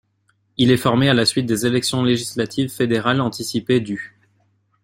Il est formé à la suite des élections législatives fédérales anticipées du.